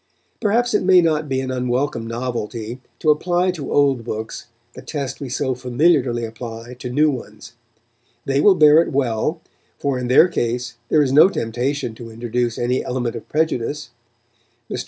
Perhaps it may not be an unwelcome novelty to apply to old books the test we so familiarly apply to new ones. They will bear it well, for in their case there is no temptation to introduce any element of prejudice. Mr.